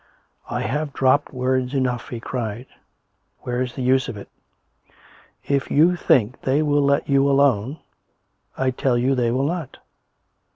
I have dropped words enough," he cried. " Where's 116 COME RACK! COME ROPE! the use of it? If you think they will let you alone, I tell you they will not.